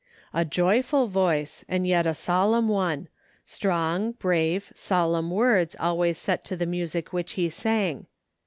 A joyful voice, and yet a solemn one ; strong, brave, solemn words always set to the music which he sang.